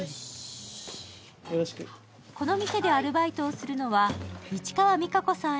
この店でアルバイトをするのは市川実日子さん